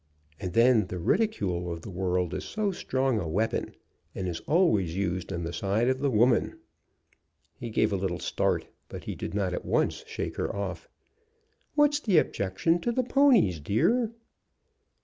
And then the ridicule of the world is so strong a weapon, and is always used on the side of the women! He gave a little start, but he did not at once shake her off. "What's the objection to the ponies, dear?"